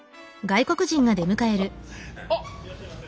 いらっしゃいませ。